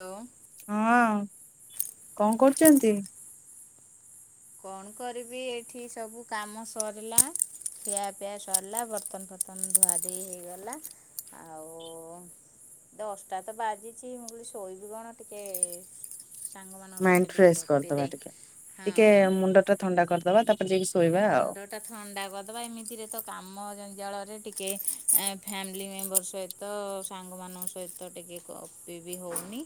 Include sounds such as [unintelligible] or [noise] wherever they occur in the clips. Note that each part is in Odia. ହ୍ୟାଲୋ। ହଁ କଣ କରୁଛନ୍ତି? କଣ କରିବି ଏଇଠି ସବୁ କାମ ସରିଲା। ପିଆ ପିଆ ସରିଲା ବର୍ତନ ବର୍ତନ ଧୁଆ ଦେଇ ହେଇଗଲା। ଆଉ। ଦଶଟା ତ ବାଜିଛି ମୁଁ କିଲ ଶୋଇବି କଣ ଟିକେ ସାଙ୍ଗମାନାନଙ୍କ ମାଇଣ୍ଡ ସହିତ ଟିକେ ଫ୍ରେଶ ଗପି କରିଦବା ଦେ ଟିକେ। ଟିକେ ହଁ। ମୁଣ୍ଡ ଥଣ୍ଡା କରିଦବା। ତାପରେ ଯାଇକି ଶୋଇବା ଆଉ। ମୁଣ୍ଡ ଟା ଥଣ୍ଡା କରିଦବା ଏମିତିରେ ତ କାମ ଜଞଜାଳ। ଟିକେ ଫ୍ୟାମିଲି ମେମ୍ବର ସହିତ ସାଙ୍ଗ ମଙ୍କ ସହିତ ଟିକେ ଗପି ବିହେଉ କନି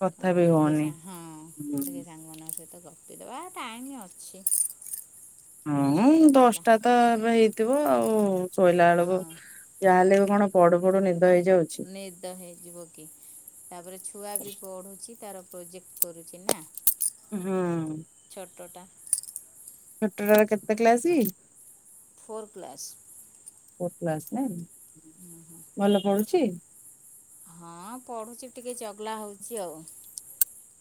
କଥା ବି ହଉନି। ହଁ ହୁଁ, ଟିକେ ସାଙ୍ଗମାନଙ୍କ ସହିତ ଗପି ଦେବା ଟାଇମ ଅଛି। ହୁଁ ଦଶଟା ବାଜିଲା ଦଶଟା ତ ଏବେ ହେଇଥିବ ଆଉ। ଶୋଇଲା ବେଳକୁ ହଁ ଯା ହେେଲେ ବି କଣ ପଡୁ ପଡୁ ନି ନିଦ ହେଇଯିବ କି ତାପରେ ଛୁଆ ବି ପଢୁଛି ତାର ପ୍ରୋଜେକ୍ଟ କରୁଛି ନା। ହୁଁ। ଟୋଟା। ଛୋଟଟା ର କେତେ କ୍ଲାସ କି? Four class. Fourth class ନାଁ ଭଲ ପଢ଼ୁଛି। ହଁ ପଢୁଛି ଟିକେ ଚଗଲା ହଉଚି ଆଉ।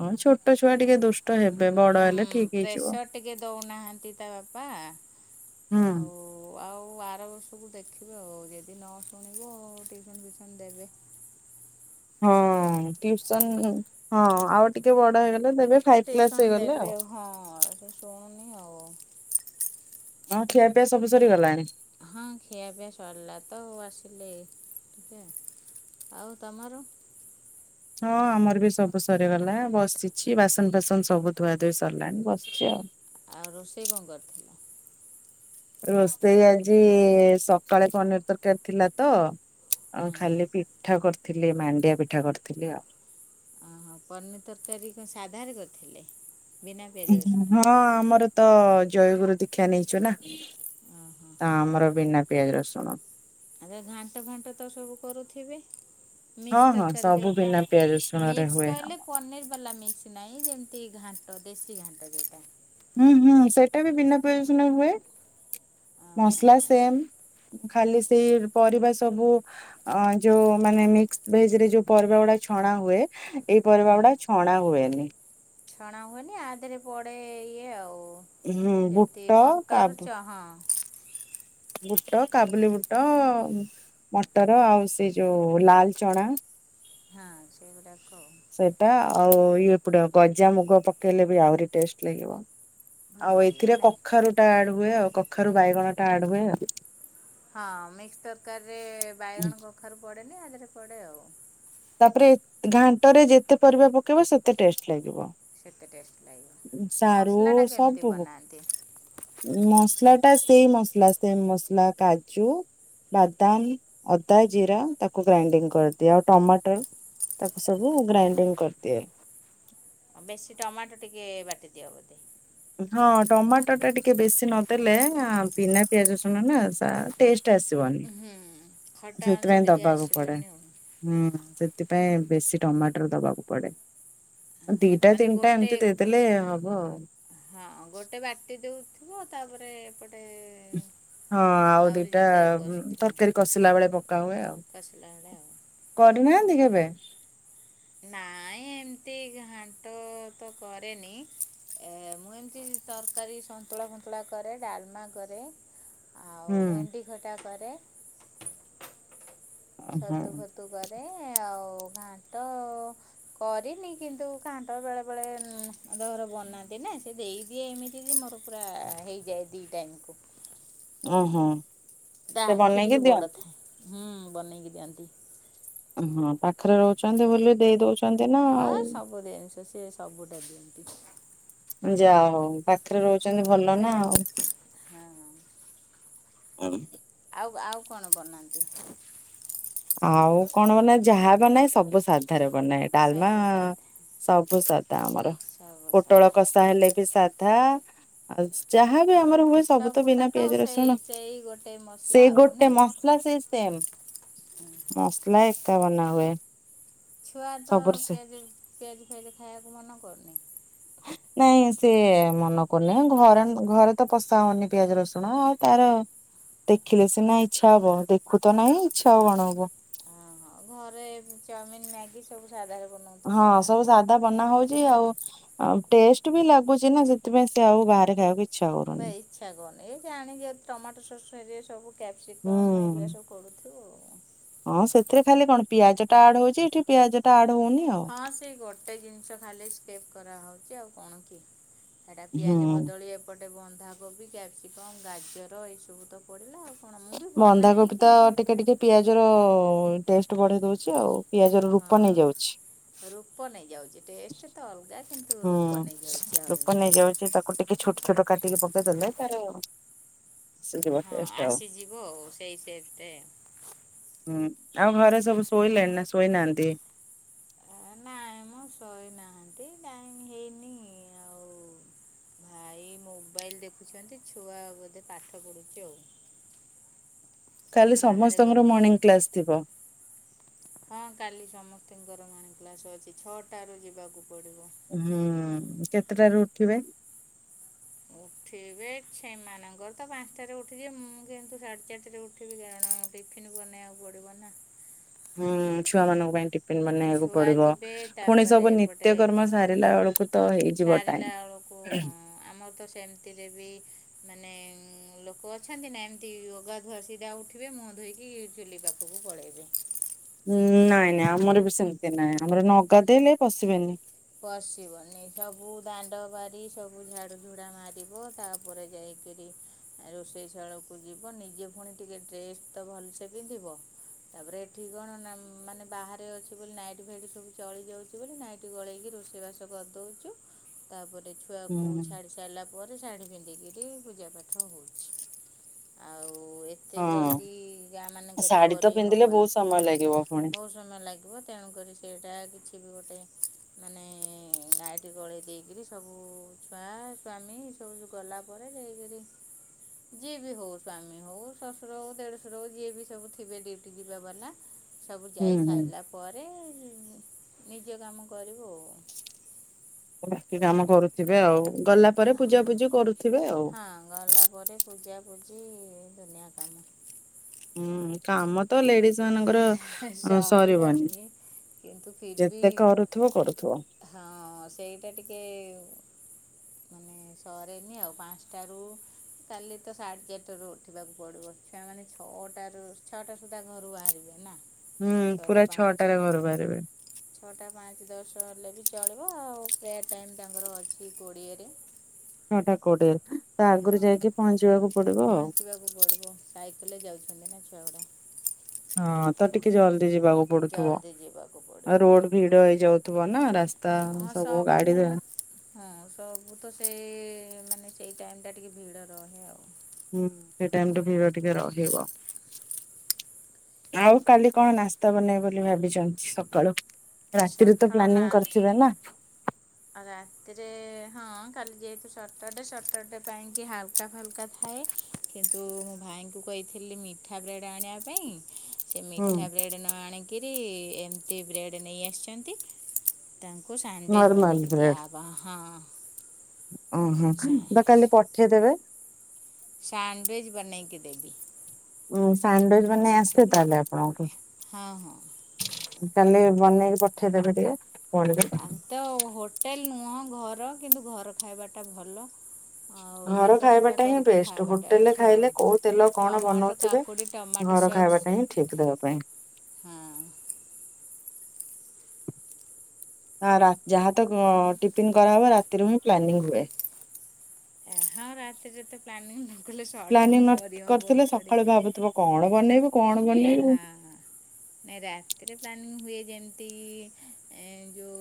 ହଁ ଛୋଟ ଛୁଆ ଟିକେ ଦୁଷ୍ଟ ହେବେ ବଡ ହେଲେ ଠିକ ହେଇଯିବ। ଶନ୍ତିତା ବାପା। ହୁଁ। ଆଉ ଆଉ ଆର ବର୍ଷକୁ ଦେଖିବେ ଆଉ ଯଦି ନ ଶୁଣିବୁ ଆଉ ଟିଉସନ ଫଉସନ ଦେବେ। ହୁଁ। ହଁ ଟୁସନ ହଁ ଆଉ ଟିକେ ବଡ ହେଇଗଲେ ଦେବେ ହେଲେ ଫାଇଭ କ୍ଲାସ ଟିଉସନ ହେଇଗଲେ ଦେବେ ଆଉ। ହଁ ଶୁଣନି। ହଁ ଖିଆ ପିଇଆ ସବୁ ସରି ଗଲାଣି? ହଁ ଖିଆ ପିଆ ସରିଲା ତ ଆସିଲି। ଆଉ ତମର? ହଁ ଆମର ବି ସବୁ ସରିଗଲା ବସିଛି ବାସନ ଫାସନ ସବୁ ଧୁଆ ଧୋଇଇ ସରିଲାଣି ବସିଛି ଆଉ। ଆଉ ରୋଷେଇ କଙ୍କରଥିଲା। ରୋଷେଇ ଆଜି ସକାଳେ ପନିର ତରକାରୀ ଥିଲା ତ। ଆ ହଁ ଖାଲି ପିଠା କରିଥିଲି ମାଣ୍ଡିଆ ପିଠା କରିଥିଲି ଆଉ। ଓହୋ ପନି ତରକାରୀ କଣ ସାଧାରେ କରିଥିଲେ। ବିନା ପିଆଜ ରସୁଣରେ ହଁ ଆମର ତ ଜୟଗୁରୁ ଦୀକ୍ଷା ନେଇଛୁ ନା। ଓହୋ ତ ଆମର ବିନା ପିଆଜ ରସୁଣ। ଆଗେ ଘାଣ୍ଟ ଫାଣ୍ଟ ତ ସବୁ କରୁଥିବେ? ହଁ ମିକ୍ସ ହଁ ତରକାରୀ ସବୁ ଯେଉଁଟା ବିନା ପିଆଜ। ରସୁଣ ରେ ମିକ୍ସ ହୁଏ। କହିଲେ ପନିର ବାଲା ମିକ୍ସ ନାହିଁ ଯେମିତି ଘାଣ୍ଟ ଦେଶୀ ଘାଣ୍ଟ ଯୋଉଟା। ହୁଁ ହୁଁ ସେଇଟା ବି ବିନା ବିନା ପିଆଜ ରସୁଣରେ ହୁଏ ଓହୋ ମସଲା ସେମ୍। ଖାଲି ସେଇ ପରିବା ସବୁ ଯୋଉ ମାନେ ମିକ୍ସ ଭେଜରେ ଯୋଉ ପରିବା ଗୁଡା ଛଣା ହୁଏ ଏଇ ହୁଁ ପରିବା ଗୁଡା ଛଣା ହୁଏନି। ଛଣା ହୁଏନି ଆଧିରେ ପଡେ ଇଏ ଆଉ ହୁଁ କୁ ଯେମତି ବୁଟ ମଟର କାବୁ ଚ ହଁ। ବୁଟ, କାବୁଲି ବୁଟ ମଟର ଆଉ ସେ ଯୋଉ ଲାଲ ଚଣା। ହାଁ ସେଇଗୁଡାକ। ସେଇଟା ଆଉ ଇଏ ପଡବ ଗଜାମଗ ପକେଇଲେ ବି ଆହୁରି ଟେଷ୍ଟ ଲାଗିବ। ଭଲ ଆଉ ଲାଗିବ ଏଥିରେ ନାଇଁ କଖାରୁ ଟା ଆଡ ହୁଏ ଆଉ କଖାରୁ ବାଇଗଣ ଟା ଆଡ ହୁଏ ଆଉ। ହଁ ମିକ୍ସ ତରକାରୀରେ ବାଇଗଣ କଖାରୁ ପଡେନି ଆଧିରେ ପଡେ ଆଉ। ତାପରେ ଘାଣ୍ଟରେ ଯେତେ ପରିବା ପକେଇବ ସେତେ ଟେଷ୍ଟ ଲାଗିବ। ସେତେ ଟଷ୍ଟ ଲାଗିବ। ସାରୁ ମସଲା ଟା କେମିତି ସବୁ ବନାନ୍ତି? ମସଲା ଟା ସେଇ ମସଲା ସେମ ମସଲା କାଜୁ ବାଦାମ, ଅଦା, ଜିରା ତାକୁ ଗ୍ରାଇଣ୍ଡିଙ୍ଗ କରିଦିଅ ଆଉ ଟମା ଟୋ ତାକୁ ସବୁ ଗ୍ରାଇଣ୍ଡିଙ୍ଗ କରିଦିଏ। ବେଶୀ ଟମାଟୋ ଟିକେ ବାଟି ଦିଅ ବୋଧେ? ହଁ ଟମାଟୋ ଟା ଟିକେ ବେଶୀ ନଦେଲେ ବିନା ପିଆଜ ଶୁଣ ନା ସା ଟେଷ୍ଟ ଆସିବନି ହୁଁ। ଖଟା ଅଂଶ ସେଇଥିପାଇଁ ଟିକେ ଦବାକୁ ପଡେ ଆସିବନି ଆଉ। ହୁଁ। ସେ ଥିପାଇଁ ବେଶୀ ଟମାଟର ଦବାକୁ ପଡେ। ଦିଇଟା ମାନେ ତିନିଟା ଗୋଟେ ଏମିତି ଦେଇଦେଲେ ହବ ଆଉ। ହଁ ଗୋଟେ ବାଟି ଦୋଉଥିବ ତାପରେ ଏପ ଉଁ ହଁ ଆଉ ଦିଇଟା ଯେତେ କଷୁଥିବ ତରକାରୀ କଷିଲା ବେଳେ ପକା ହୁଏ ଆଉ। କଷିଲା ବେଳେ ଆଉ। କରିନାହାନ୍ତି କେବେ? ନାଇଁ ଏମିତି ଘାଣ୍ଟ ତ କରେନି। ଏ ମୁଁ ଏମିତି ତରକାରୀ ସନ୍ତୁଳା ଫନ୍ତୁଳା କରେ ଡାଲମା କରେ। ଆଉ ହୁଁ ଭେଣ୍ଡି ଖଟା କରେ। ଓହୋ ଛତୁ ଫତୁ କରେ ଆଉ ଘାଣ୍ଟ କରିନି କିନ୍ତୁ ଘାଣ୍ଟ ବେଳେ ବେଳେ ଅନ୍ତ ଘର ବନାନ୍ତି ନା ସିଏ ଦେଇଦିଏ ଏମିତି ଯେ ମୋର ପୁରା ହେଇଯାଏ ଦିଇ ଟାଇମକୁ। ଓହୋ। ତା ସେ ଆଖି ବନେଇକି ଟିକେ ବଡ ଦିଅନ୍ତି। ଥାଏ ହୁଁ ବନେଇକି ଦିଅନ୍ତି। ଓ ହଁ ପାଖରେ ରୋହୁଚନ୍ତି ବୋଲି ଦେଇ ଦୋଉଚୁ। ହଁ ସବୁ ଦିନ୍ ସେ-ସିଏ ସବୁ ଦେବେ ଏମନ୍ତି। ଯା ହୋଉ ପାଖରେ ରୋହୁଚନ୍ତି ଭଲ ନା ଆଉ। ହଁ। [unintelligible] ଉ ଆଉ କଣ ବନାନ୍ତି? ଆଉ କଣ ବନାଏ ଯାହା ବନାଏ ସବୁ ସାଧାରେ ବନାଏ ଡାଲମା ସବୁ ସାଧା ସବୁ ସା ଧା ଆମର ସବୁ ପୋଟଳ ସାଧା କଷା ହେଲେ ବି ସାଧା ଆଉ ଯାହା ବି ଆମର ହୁଏ ସବୁ ତ ସବୁଟା ବିନା ପିଆଜ ସେଇ ରସୁଣ। ସେଇ ଗୋଟେ ସେ ମସଲା ଆଉ ଗୋଟେ ନାଇଁ ମସଲା ସେଇ ସେମ। ମସଲା ଏକା ବନା ହୁଏ। ଛୁଆ ତ ସବୁର ସେ ପିଆଜ ପିଆଜ ଫିଆଜି ଖାଇବାକୁ ମନ କରୁନି। ନାଇଁ ସେ ମନେ କରୁନି ଘରେ ଘରେ ତ ପଷା ହୋଉନି ପିଆଜ ରସୁଣ ଆଉ ତାର ଦେଖିଲେ ସିନା ଇଚ୍ଛା ହବ ଦେଖୁ ତ ନାହିଁ ଇଚ୍ଛା ଆଉ କଣ ହବ। ଓହୋ ଘରେ ଚାଉମିନ ମ୍ୟାଗି ସବୁ ସାଧାରଣରେ ହଁ ସବୁ ସାଧା ବନା ହୋଉଚି ଆଉ ଟେଷ୍ଟ ବି ଲାଗୁଛି ନା ସେଥିପାଇଁ ସେ ଆଉ ବାହାରେ ଖାଇବାକୁ ଇ ଭାଇ ଇଚ୍ଛା କନି ଏଇ ଜାଣଣିିକ ଟମାଟୋ ସସ ହେରିକା ସବୁ କ୍ୟାପ୍ସିକମ୍ ହୁଁ ଏଇଗୁଡ଼ା ସବୁ ପଡୁଥୁବ। ହଁ ସେଥିରେ ଖାଲି କଣ ପିଆଜ ଟା ଆଡ୍ ହୋଉଚି ଏଠି ପିଆଜ ଟା ଆଡ଼ ହଁ ସେଇ ଗୋଟେ ଜିନିଷ ଖାଲି ସ୍କେପ କରାହୋଉଚି ଆଉ କଣ କି। ଏଟା ହୁଁ ପିଆଜ ବଦଳି ଏପଟେ ବନ୍ଧାକୋବି କ୍ୟାପ୍ସିକମ ଗାଜର ଏଇ ସବୁ ତ ପଡିଲା ଆଉ। କଣ ମୁଁ ବି ବନାଏ ଅନ୍ଧାକୋବି ତ କିନ୍ତୁ ଟିକେ ଟିକେ ପିଆଜର ଟେଷ୍ଟ ବଢେଇ ଦୋଉଚି ଆଉ। ପିଆଜ ର ରୂପ ହଁ ନେଇଯାଉଛି ରୂପ ନେଇ ଯାଉଚି ଟେଷ୍ଟ ତ ଅଲଗା କିନ୍ତୁ ହୁଁ ରୂପ ନେଇଯାଉଛି ଲୋକ ଅଲଗା। ନେଇଯାଉଚି ତାକୁ ଟିକେ ଛୋଟ ଛୋଟ କାଟିକି ପକେଇଦେଲେ ତାର ଆସି ଯିବ ହଁ ଟେଷ୍ଟ ଆଉ ଆସିଯିବ ଆଉ ସେଇ ସେପ୍ ରେ। ହୁଁ। ଆଉ ଘରେ ସବୁ ଶୋଇଲେଣି ନା ଶୋଇନାହାନ୍ତି? ହଁ ଶୋଇନାହାନ୍ତି ଟାଇମ ହେଇନି ଆଉ। ଭାଇ ମୋବାଇଲ ଦେଖୁଛନ୍ତି ଛୁଆ ବୋଧେ ପାଠ ପଢୁଚି ଆଉ। କାଲି ମୁଁ ବାହାରେ ସମସ୍ତଙ୍କର ଗପୁଛି ମର୍ଣ୍ଣିଂ କ୍ଲାସ୍ ଥିବ। ହଁ କାଲି ସମସ୍ତଙ୍କର ମାଣିକ୍ଲାସ ଅଛି ଛଅଟା ରୁ ଯିବାକୁ ପଡିବ। ହୁଁ କେତେଟାରୁ ଉଠିବେ? ଉଠିବେ ଛେମାନଙ୍କର ତ ପାଞ୍ଚଟାରେ ଉଠିଯିବେ ମୁଁ କିନ୍ତୁ ସାଢେ ଚାରିଟାରେ ଉଠିବି ଗାଁ କଣ ଟିଫିନ ବନେଇବାକୁ ପଡିବ ନା। ହୁଁ ଛୁଆମାନଙ୍କ ପାଇଁ ଟି ଫିନ୍ ବନେଇବାକୁ ଛୁଆ ପଡିବ ଯିବେ ପୁଣି ତାପରେ ସବୁ ନିତ୍ୟ ଏପଟେ କର୍ମ ସାରିଲା ବେଳକୁ ତ ହେଇଯିବ ଟାଇମ୍। କୁ ହଁ ଆମର ତ ସେମିତିରେ ବି ମାନେ ଲୋକ ଅଛନ୍ତି ନା ଏମତି ଅଗାଧୁଆ ସିଧା ଉଠିବେ ମୁହଁ ଧୋଇକି ଚୁଲି ପାଖ କୁ ପଳେଇବେ। ଉଁ ନାଇଁ ନାଇଁ ଆମର ବି ସେମିତି ନାଇଁ ଆମର ନଗାଧେଇଲେ ପଶିବେନି। ପଶିବନି ସବୁ ଦାଣ୍ଡ ବାରି ସବୁ ଝାଡୁ ଝୁଡା ମାରିବ ତାପରେ ଯାଇ ସେରି ରୋଷେଇ ସାଳକୁ ଯିବ। ନିଜେ ଫୁଣି ଟିକେ ଡ୍ରେସ ତ ଭଲସେ ପିନ୍ଧିବ। ତାପରେ ଏଠି କଣ ମାନେ ବାହାରେ ଅଛି ବୋଲି ନାଇଟ୍ ଫାଇଟ୍ ସବୁ ଚଳି ଯାଉଚି ବୋଲି ନାଇଟ୍ ଗଳେଇକି ରୋଷେଇ ବାସ କରିଦୋଉଚୁ ତାପରେ ହୁଁ ଛୁଆକୁ ଛାଡି ସାଇଲା ପ ଶାଢୀ ପିନ୍ଧିକିରି ପୂଜା ପାଠ ହୋଉଚି ଆ ଉ ଏତେ ହଁ ଜଲଦି ଗାଁ ମାନଙ୍କରେ ଶାଢୀ ତ ପିନ୍ଧିଲେ କରିହବନି। ବହୁତ ସମୟ ଲାଗିବ ପୁଣି ବୋହୁତ ସମୟ ଲାଗିବ। ତେଣୁ କରିରି ସେଇଟା କିଛି ବି ଗୋଟେ ମାନେ ନାଇଟି ଗଳେଇ ଦେଇକିରି ସବୁ ଛୁଆ ସ୍ୱାମୀ ଏସବୁ ଗଲାପରେ ଦେଇକିରି ଯିଏ ବି ହୋଉ ସ୍ଵାମୀ ହୋଉ ଶଶୁର ହୋଉ ଦେଢଶୁର ହୋଉ ଯିଏ ବି ସବୁ ଥିବେ ଡ୍ୟୁଟି ଯିବା ବାଲା। ସବୁ ହୁଁ ହୁଁ। ଯାଇସାଇଲା ପରେ ନି ନିଜ କାମ କରିବୁ ଆଉ। ବାକି କାମ କରୁଥିବେ ଆଉ ଗଲା ପରେ ଆଉ ପୂଜା ହଁ ପୂଜି କରୁ ହଁ ଗଲା ପରେ ପୂଜା ପୂଜି ଦୁନିଆ କାମ। ହୁଁ କାମ ତ ଲେଡିଜମାନଙ୍କର ସରିବନି। କିନ୍ତୁ ଫିର ବି ଯେତେ କରୁଥିବ କରୁଥିବ। ହଁ ସେଇଟା ଟିକେ ମାନେ ସରେନି ଆଉ ପାଞ୍ଚଟାରୁ କାଲି ତ ସାଢେ ଚାରିଟାରୁ ଉଠିବାକୁ ପଡିବ। ଛୁଆମାନେ ଛଅଟାରୁ ଛଅଟା ସୁଦ୍ଧା ଘରୁ ବାହାରିବେ ନା। ହୁଁ ଛଅଟା ପୁରା ପାଞ୍ଚ ଛଅଟାରେ ଘରୁ ବାହାରିବେ। ଛଅଟା ପାଞ୍ଚ ଦଶ ହେଲେ ବି ଚଳିବ ଆଉ ପ୍ରେୟାର ଟାଇମ ତାଙ୍କର ଅଛି କୋଡ଼ିଏରେ। ଛଅଟା କୋଡିଏରେ। ହଁ ପହଞ୍ଚିବାକୁ ପଡିବ ସାଇକେଲରେ ଯାଉଛି। ତମେ ନା ଛୁଆଗୁଡା। ହଁ ତା ଟିକେ ଜଲ - ଯିବାକୁ ପଡୁଥିବ ଜଲ୍ଦି ଯିବାକୁ ପଡ଼ିବ ରୋଡ ଭିଡ ହେଇଯାଉଥିବ ନା ରାସ୍ତା ସବୁ ଗାଡି- ହୁଁ ହଁ ସବୁ ତ ସେଇ ମାନେ ସେଇ ଟାଇମଟା ଟିକେ ଭିଡ ରହେ ଆଉ। ହୁଁ ସେ ଟାଇମ ଟା ଭିଡ଼ ଟିକେ ରହିବ। ଆଉ କାଲି କଣ ନାସ୍ତା ବନେଇବେ ବୋଲି ଭାବିଛନ୍ତି ସକାଳୁ। ରାତିରେ ତ ସକାଳ ନା ପ୍ଲାନିଂ କରିଥିବେ ନା। ଆଉ ରାତିରେ ହଁ କାଲି ଯେହେତୁ ସଟରଡେ ସଟରଡେ ପାଇଁ କି ହାଲକା ଫାଲକା ଥାଏ କିନ୍ତୁ ମୁଁ ଭାଇଙ୍କୁ କହିଥିଲି ମିଠା ବ୍ରେଡ ଆଣିବା ପାଇଁ। ସେ ହୁଁ ମିଠା ବ୍ରେଡ଼ ନ ଆଣିକିରି ଏମିତି ବ୍ରେଡ଼୍ ନେଇ ଆସିଛନ୍ତି। ତାଙ୍କୁ ସେଣ୍ଡୱିଚ ନର୍ମାଲ ବନେଇକି ବ୍ରେଡ ଦିଆହବ ହଁ ଓହୋ ତ କାଲି ପଠେଇଦେବେ। ସ୍ୟାଣ୍ଡୱିଚ ବନେଇକି ଦେବି। ଉଁ ସାଣ୍ଡିୱିଚ ବନେଇ ଆସେ ତାହେଲେ ଆପଣଙ୍କୁ ହଁ ହଁ କାଲି ବନେଇକି ପଠେଇଦେବେ ଟିକେ ଆମ ତ ହୋଟେଲ ନୁହଁ ଘର କିନ୍ତୁ ଘର ଖାଇବାଟା ଭଲ। ଆଉ ଘର ଦେଶା ଫେସା ଖାଇବାଟା ହିଁ କରିକି ବେଷ୍ଟ ଖାଇବାଟା ହୋଟେଲରେ ଅଛି ଆଉ ଖାଇଲେ କୋଉ ତେଲ କଣ ଟମାଟୋ ବନଉଥିବେ କାକୁଡ଼ି ଘର ଖାଇବାଟା ହିଁ ଠିକ ଦେହ ପାଇଁ ହୁଁ। ଯାହା ତ ଟିଫିନ କରାହବ ରାତିରୁ ହିଁ ପ୍ଲାନିଂ ହୁଏ। [unintelligible] ଏହା ହ ରାତିରେ ଯେତେ ପ୍ଲାନିଂ ନ କଲେ ପ୍ଲାନିଂ ସଡନ ନ କରିହବ କରିଥିଲେ ଥଡି ସକାଳୁ ଭାବୁଥିବ କଣ ବନେଇବୁ କଣ ବନେଇବୁ ହଁ ହଁ ନାଇ ରାତିରେ ପ୍ଲାନିଂ ହୁଏ ଯେମତି ଯେଉ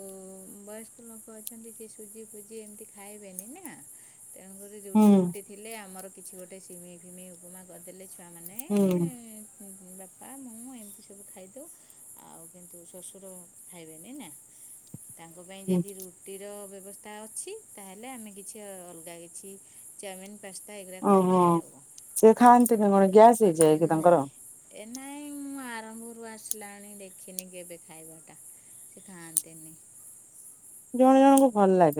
ବୟସ୍କ ଲୋକ ଅଛନ୍ତି ସେ ସୁଜି ଫୁଜି ଏମିତି ଖାଇବେନି ତେଣୁକରି ହୁଁ ରୁଟି ଫୁଟି ଥିଲେ ଆମର କିଛି ଗୋଟେ ସିମେଇ ଫିମେଇ ଉପମା କରିଦେଲେ ଛୁଆ ହୁଁ। ବାପା ମୁଁ ଏମିତି ସବୁ ଖାଇଦଉ ଆଉ କିନ୍ତୁ ଶ୍ୱଶୁର ଖାଇବେନି ନା ତାଙ୍କ ପାଇଁ ହୁଁ। ଯଦି ରୁଟିର ବ୍ୟ - ବ୍ୟବସ୍ତା ଅଛି ତାହେଲେ ଆମେ କିଛି ଅଲଗା କିଛି ଚାମିନ୍ ଓହୋ ସେ ଖାଆନ୍ତି ନା କଣ ଗ୍ୟାସ୍? ହେଇଯାଏ କି ତାଙ୍କର ନାଇଁ ଏ ନାଇଁ ମୁଁ ଆରମ୍ଭ ମୁଁ ଆସିଲାଣି ଦେଖିନି କେବେ ଖାଇବା ଟା ସେ ଖାଆନ୍ତିନି ଜଣେ ଜଣଙ୍କୁ ଭଲ ଲାଗେ।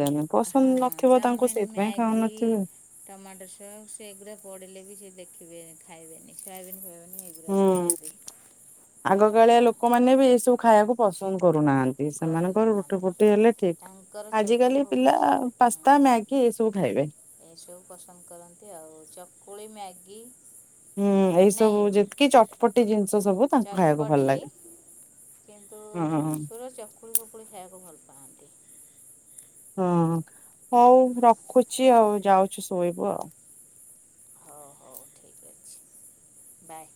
ହଁ ଚାଉମିନ ମ୍ୟାଗି ଖାଉନଥିବେ। ଟମାଟୋ ସସ୍ ସେଗୁଡା ପଡିଲେବି କିଛି ଦେଖିବେ ଖାଇବେନି ସୋୟାବିନ ଫୋୟାବିନ୍। ଏଗୁଡ଼ା ହୁଁ ସବୁ ବି ଆଗକାଳିଆ ତା ଲୋକମାନେ ବି ଏଇସବୁ ଖାଇବାକୁ ପସନ୍ଦ କରୁନାହାନ୍ତି। ସେମାନଙ୍କର ରୁଟି କରୁନାହାନ୍ତି ଫୁଟି ହେଲେ ଠିକ ତାଙ୍କର ଚକୁଳି ଆଜିକାଲି ପିଲା ପାସ୍ତା ଭୋଗ ମ୍ୟାଗି ଏସବୁ ଖାଇବେ। ଏସବୁ ପସନ୍ଦ କରନ୍ତି ଆଉ ଚକୁଳି ମ୍ୟାଗି ହୁଁ ଏଁ, ଏଇ ସବୁ ଯେତିକି ଚଟପଟି ଜିନିଷ ସବୁ ତାଙ୍କୁ ଖାଇବାକୁ ଭଲ ଚଟପଟ ଲାଗେ। କି କିନ୍ତୁ ହଁ ସୁର ଚକୁଳି ଫକୁଳି ଖାଇବାକୁ ଭଲ ପାଆନ୍ତି ହଁ ହଉ ରଖୁଛି ଆଉ ଯାଉଛି ଶୋଇବୁ ଆଉ। ହୋଉ ହୋଉ ଠିକ ଅଛି ବାଏ।